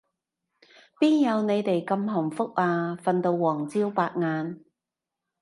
邊有你哋咁幸福啊，瞓到黃朝白晏